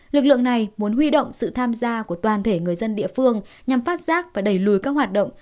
lực lượng này muốn huy động sự tham gia của toàn thể người dân địa phương nhằm phát giác và đẩy lùi các hoạt động